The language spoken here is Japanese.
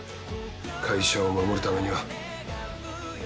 会社を守るためには。